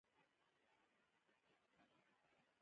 لرګی د کورني هنر ارزښت لري.